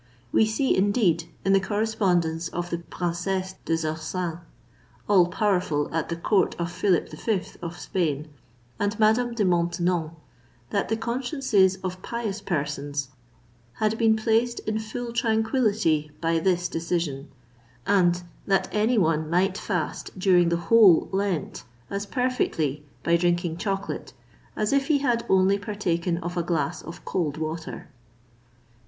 We see, indeed, in the correspondence of the Princess des Ursins all powerful at the court of Philip V. of Spain and Madame de Maintenon, that the consciences of pious persons had been placed in full tranquillity by this decision, and that any one might fast during the whole Lent as perfectly by drinking chocolate as if he had only partaken of a glass of cold water.